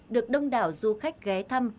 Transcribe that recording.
được đông đảo du khách ghé thăm